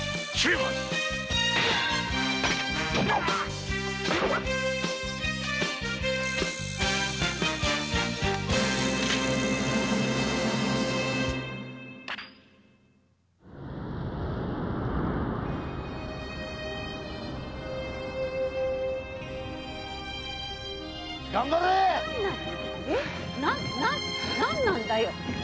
なに何なんだよ